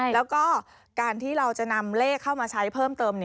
แล้วก็การที่เราจะนำเลขเข้ามาใช้เพิ่มเติม